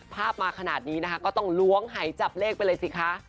ภาพมาขนาดนี้นะคะก็ต้องล้วงหายจับเลขไปเลยสิคะ